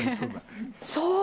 そう。